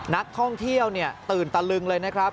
นักท่องเที่ยวตื่นตะลึงเลยนะครับ